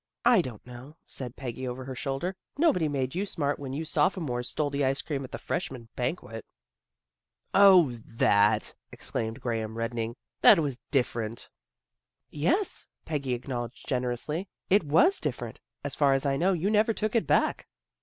" I don't know," said Peggy over her shoul der. " Nobody made you smart when you Sophomores stole the ice cream at the Fresh man banquet." "0, that!" exclaimed Graham, reddening. " That was different." 116 THE GIRLS OF FRIENDLY TERRACE " Yes," Peggy acknowledged generously, " It was different. As far as I know, you never took it back."